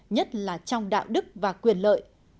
nhất là trong đạo đức và quyền lợi